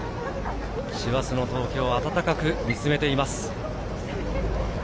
師走の東京を温かく見つめています。